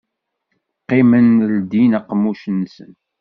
Qqimen ldin aqemmuc-nsen.